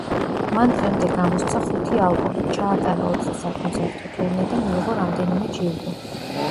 მან დღემდე გამოსცა ხუთი ალბომი, ჩაატარა ოთხი საკონცერტო ტურნე და მიიღო რამდენიმე ჯილდო.